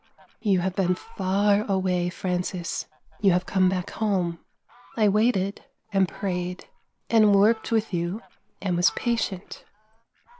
" You have been far away, Francis ; you have come back home. I waited, and prayed, and worked with you, and was patient